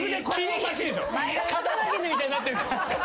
刀傷みたいになってるから。